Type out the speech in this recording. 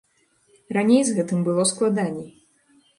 Раней з гэтым было складаней.